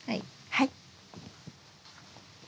はい。